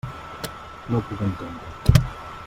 No ho puc entendre.